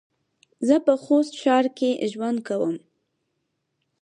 زه په خوست ښار کې ژوند کوم